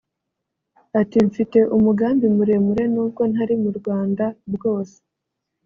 Ati “Mfite umugambi muremure nubwo ntari mu rwanda bwose